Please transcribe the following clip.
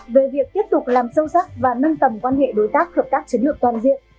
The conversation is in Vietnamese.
về việc tiếp tục làm sâu sắc và nâng tầm quan hệ đối tác hợp tác chiến lược toàn diện